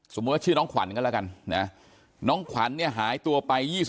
ว่าชื่อน้องขวัญก็แล้วกันนะน้องขวัญเนี่ยหายตัวไป